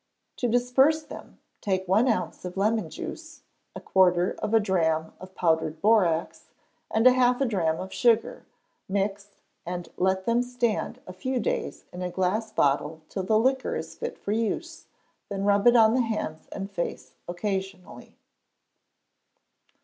To disperse them, take one ounce of lemon juice, a quarter of a drachm of powdered borax, and half a drachm of sugar; mix, and let them stand a few days in a glass bottle till the liquor is fit for use, then rub it on the hands and face occasionally.